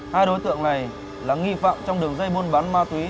hai đối tượng này là nghi phạm trong đường dây buôn bán ma túy